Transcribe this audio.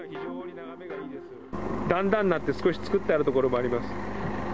段々になって少し作ってあるところもあります。